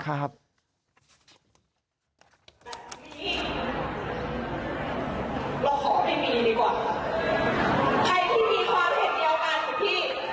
ใครที่มีความเห็นเดียวกันของพี่